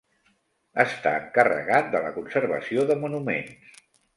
Estar encarregat de la conservació de monuments.